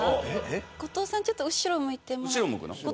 後藤さんちょっと後ろ向いてもらって。